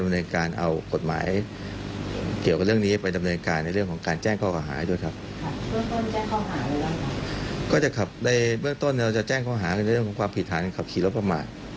ในเรื่องต้นเราจะแจ้งข้อหาเรื่องของความผิดฐานในขับขี่รถประมาท